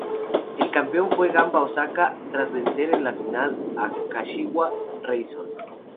El campeón fue Gamba Osaka, tras vencer en la final a Kashiwa Reysol.